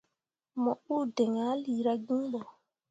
Mo uu diŋ ah lira gin bo.